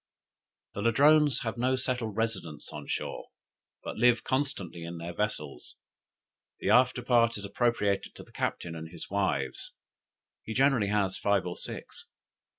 "The Ladrones have no settled residence on shore, but live constantly in their vessels. The after part is appropriated to the captain and his wives; he generally has five or six.